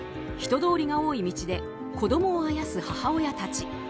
人通りが多い道で子供をあやす母親たち。